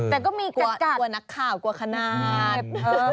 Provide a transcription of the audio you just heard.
แต่ก็มีกลัวนักข่าวกว่าขนาด